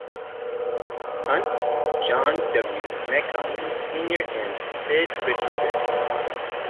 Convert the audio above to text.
Hunt, John W. Mecom, Senior and Sid Richardson.